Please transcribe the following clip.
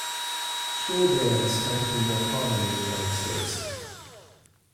School bands tend to be more common in the United States.